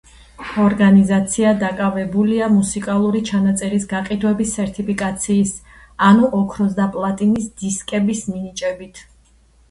ორგანიზაცია დაკავებულია მუსიკალური ჩანაწერის გაყიდვების სერტიფიკაციის, ანუ ოქროს და პლატინის დისკების, მინიჭებით.